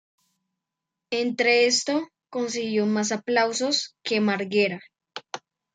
Entre esto, consiguió más aplausos que Margera.